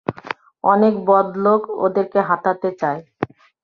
অনেক বদলোক ওদেরকে হাতাতে চায়।